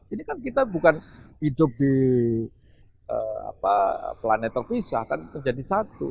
ini kan kita bukan hidup di planet terpisah kan terjadi satu